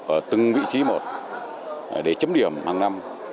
ở từng vị trí một để chấm điểm hàng năm